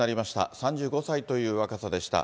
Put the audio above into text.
３５歳という若さでした。